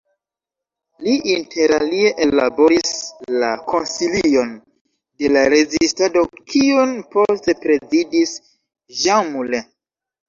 Li interalie ellaboris la "Konsilion de la Rezistado" kiun poste prezidis Jean Moulin.